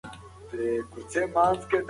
ایا سهار وختي لمر پر غونډیو باندې راوخوت؟